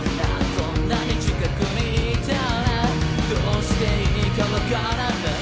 こんなに近くにいたらどうしていいか判らない